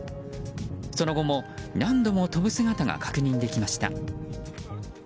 その後も何度も飛ぶ姿が確認できました。